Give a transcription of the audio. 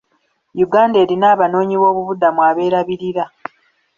Uganda erina abanoonyiboobubudamu abeerabirira.